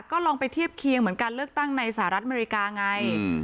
ก็ลองไปเทียบเคียงเหมือนการเลือกตั้งในสหรัฐอเมริกาไง